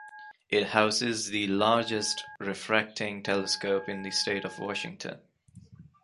It houses the largest refracting telescope in the state of Washington.